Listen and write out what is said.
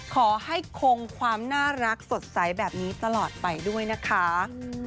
ขอให้คงความน่ารักสดใสแบบนี้ตลอดไปด้วยนะคะ